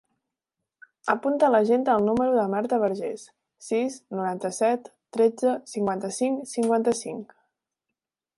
Apunta a l'agenda el número de la Marta Verges: sis, noranta-set, tretze, cinquanta-cinc, cinquanta-cinc.